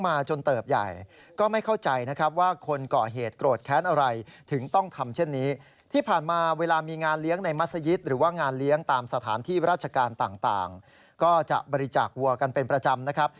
มาจนเติบใหญ่ก็ไม่เข้าใจนะครับว่าคนก่อเหตุโกรธแค้นอะไรถึงต้องทำเช่นนี้ที่ผ่านมาเวลามีงานเลี้ยงในมัศยิตหรือว่างานเลี้ยงตามสถานที่ราชการต่างก็จะบริจาควัวกันเป็นประจำนะครับ